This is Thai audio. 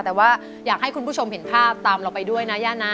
แต่ว่าอยากให้คุณผู้ชมเห็นภาพตามเราไปด้วยนะย่านะ